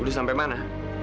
udah sampe mana